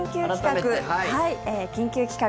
「緊急企画！